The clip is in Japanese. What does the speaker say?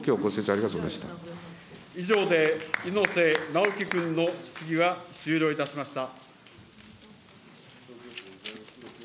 ありがとう以上で猪瀬直樹君の質疑は終了いたしました。